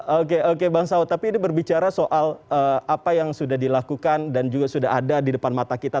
oke oke bang saud tapi ini berbicara soal apa yang sudah dilakukan dan juga sudah ada di depan mata kita